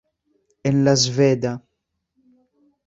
En la sveda.